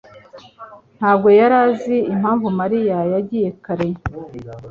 ntabwo yari azi impamvu Mariya yagiye kare.